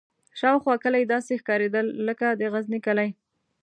شاوخوا کلي داسې ښکارېدل لکه د غزني کلي.